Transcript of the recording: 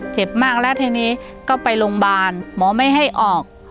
เจ็บมากแล้วทีนี้ก็ไปโรงพยาบาลหมอไม่ให้ออก